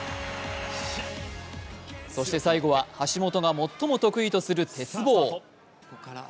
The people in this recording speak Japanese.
そして、最後は橋本が最も得意とする鉄棒。